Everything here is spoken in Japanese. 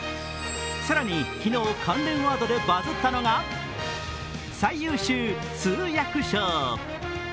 更に昨日、関連ワードでバズったのが最優秀通訳賞。